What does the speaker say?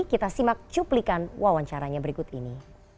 kita simak cuplikan wawancaranya berikut ini